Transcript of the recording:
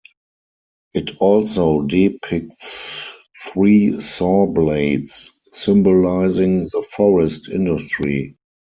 It also depicts three saw-blades, symbolizing the forest industry.